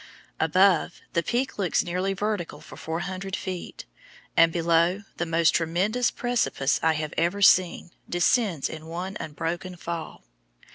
Above, the Peak looks nearly vertical for 400 feet; and below, the most tremendous precipice I have ever seen descends in one unbroken fall.